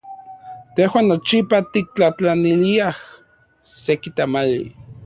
Tejuan nochipa tiktlajtlaniliaj seki tamali.